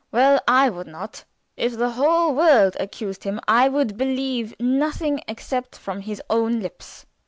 "Well, I would not. If the whole world accused him I would believe nothing except from his own lips."